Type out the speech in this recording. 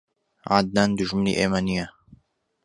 عەدنان دوژمنی ئێمە نییە.